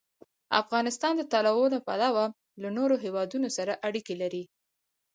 افغانستان د تنوع له پلوه له نورو هېوادونو سره اړیکې لري.